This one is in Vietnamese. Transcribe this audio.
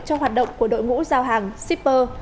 cho hoạt động của đội ngũ giao hàng shipper